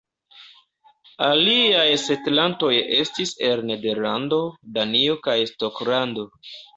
Aliaj setlantoj estis el Nederlando, Danio, kaj Skotlando.